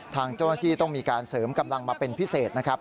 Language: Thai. ทางเจ้าหน้าที่ต้องมีการเสริมกำลังมาเป็นพิเศษนะครับ